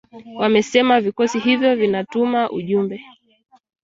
Wamesema vikosi hivyo vinatuma ujumbe